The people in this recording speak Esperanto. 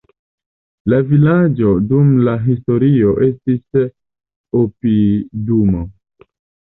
La vilaĝo dum la historio estis opidumo.